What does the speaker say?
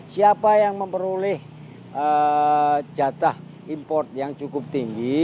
siapa yang memperoleh jatah import yang cukup tinggi